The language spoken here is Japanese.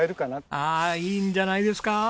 ああいいんじゃないですか。